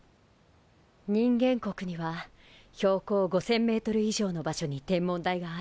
人間国には標高５，０００ｍ以上の場所に天文台があるわ。